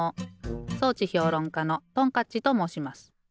装置評論家のトンカッチともうします。